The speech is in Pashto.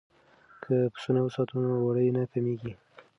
که پسونه وساتو نو وړۍ نه کمیږي.